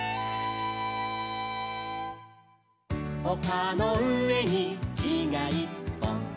「おかのうえにきがいっぽん」